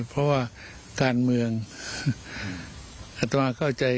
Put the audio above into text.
เพราะว่าการเมืองอัตราเข้าใจ